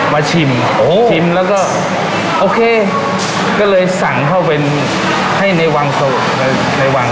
ชิมชิมแล้วก็โอเคก็เลยสั่งเข้าไปให้ในวังในวัง